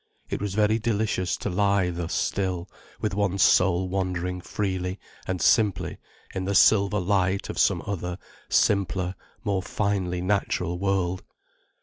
It was very delicious to lie thus still, with one's soul wandering freely and simply in the silver light of some other, simpler, more finely natural world.